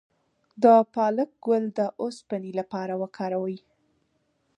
د پالک ګل د اوسپنې لپاره وکاروئ